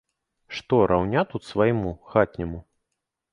Што раўня тут свайму, хатняму?!